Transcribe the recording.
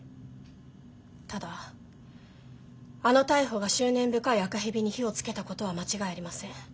ただあの逮捕が執念深い赤蛇に火をつけたことは間違いありません。